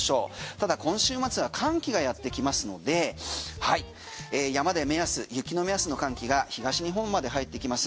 ただ今週末は寒気がやってきますので山で目安雪の目安の寒気が東日本まで入ってきます。